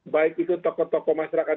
baik itu tokoh tokoh masyarakat